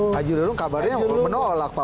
haji lulung kabarnya menolak pak